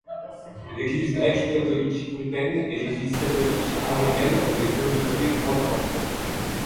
L'église grecque-catholique ruthène et l'église catholique arménienne ont des communautés moins importantes.